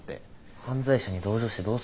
犯罪者に同情してどうすんだよ。